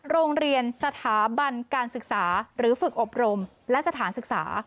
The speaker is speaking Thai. โรงเรียนสถาบันการศึกษาหรือฝึกอบรมและสถานศึกษา